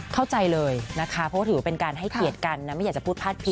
เข้าใจเลยนะคะเพราะว่าถือว่าเป็นการให้เกียรติกันนะไม่อยากจะพูดพลาดพิง